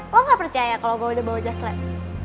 lo gak percaya kalau gue udah bawa just lab